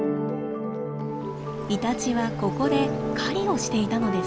イタチはここで狩りをしていたのです。